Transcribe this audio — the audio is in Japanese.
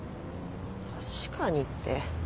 「確かに」って。